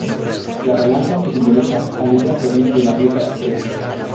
La balanza que simboliza a libra proviene de la diosa Astrea.